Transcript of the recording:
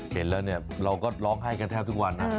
เห็นแล้วเราก็ร้องไห้กันแทนวัน